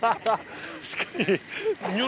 確かに。